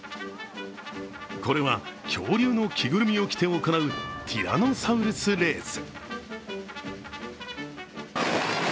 これは恐竜の着ぐるみを着て行うティラノサウルスレース。